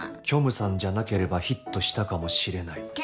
虚無さんじゃなければヒットしたかもしれない。